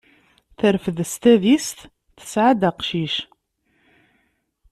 Terfed s tadist, tesɛa-d aqcic.